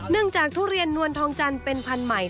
จากทุเรียนนวลทองจันทร์เป็นพันธุ์ใหม่